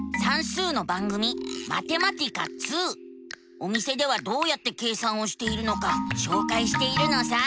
お店ではどうやって計算をしているのかしょうかいしているのさ。